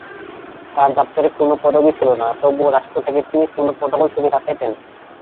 তার দাপ্তরিক কোন পদবী ছিলো না, তবুও রাষ্ট্র থেকে তিনি পূর্ণ প্রোটোকল সুবিধা পেতেন।